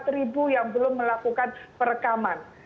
tiga puluh empat ribu yang belum melakukan perekaman